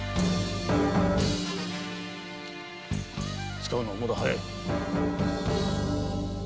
使うのはまだ早い。